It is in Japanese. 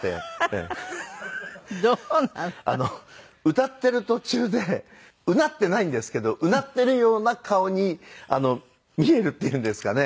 歌っている途中でうなっていないんですけどうなっているような顔に見えるっていうんですかね